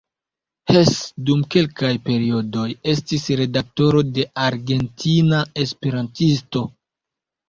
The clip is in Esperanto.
Hess dum kelkaj periodoj estis redaktoro de "Argentina esperantisto.